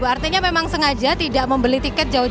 artinya memang sengaja tidak membeli tiket jauh